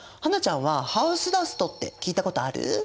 英ちゃんはハウスダストって聞いたことある？